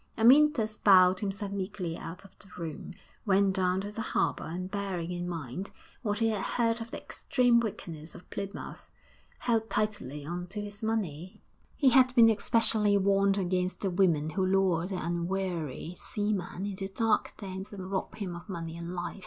Amyntas bowed himself meekly out of the room, went down to the harbour, and bearing in mind what he had heard of the extreme wickedness of Plymouth, held tightly on to his money; he had been especially warned against the women who lure the unwary seaman into dark dens and rob him of money and life.